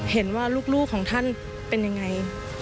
เห็นว่าลูกของท่านเป็นยังไง